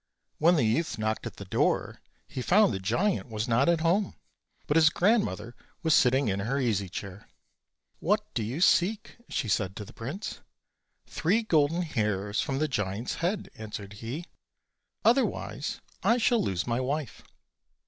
When the youth knocked at the door he found the giant was not at home, but his grandmother was sitting in her easy chair. "What do you seek?" said she to the prince. "Three golden hairs from the giant's head, "answered he; "otherwise I shall lose my wife."